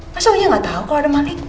masa uya gak tau kalau ada maling